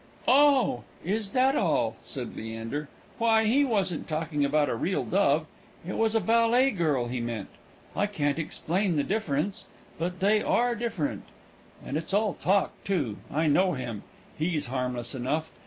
"Oh! is that all?" said Leander. "Why, he wasn't talking about a real dove; it was a ballet girl he meant. I can't explain the difference; but they are different. And it's all talk, too. I know him; he's harmless enough.